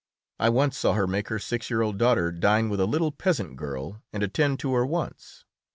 I once saw her make her six year old daughter dine with a little peasant girl and attend to her wants.